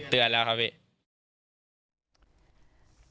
เตือนแล้วครับพี่